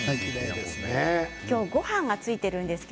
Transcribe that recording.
今日は、ごはんがついています。